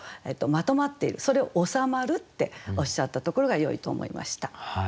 それを「収まる」っておっしゃったところがよいと思いました。